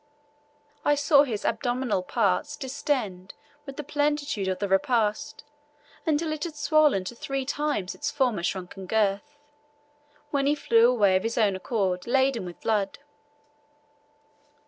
I saw his abdominal parts distend with the plenitude of the repast until it had swollen to three times its former shrunken girth, when he flew away of his own accord laden with blood.